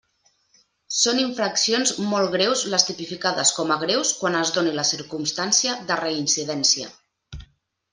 Són infraccions molt greus les tipificades com a greus quan es doni la circumstància de reincidència.